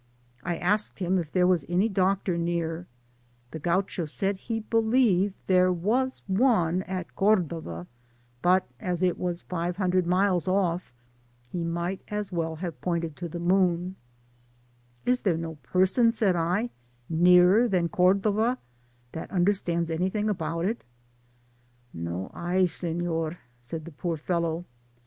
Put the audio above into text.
1 asked him if there was any doctor near ; the Gau« cho said he believed there was one at Cordova, but as it was five hundred miles off, he might as well have pointed to the moon^ Is there no pcrsonj'' said I, ^' nearer than Cordova, that understimds anything about it P*" "No hay, Sefior," said the poor feUow.